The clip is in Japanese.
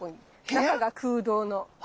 中が空洞の。